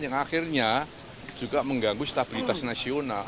yang akhirnya juga mengganggu stabilitas nasional